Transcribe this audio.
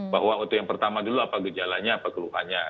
bahwa untuk yang pertama dulu apa gejalanya apa keluhannya